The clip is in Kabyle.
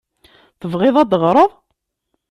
Tebɣiḍ ad d-teɣreḍ?